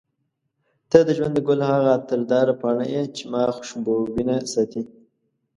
ته د ژوند د ګل هغه عطرداره پاڼه یې چې ما خوشبوینه ساتي.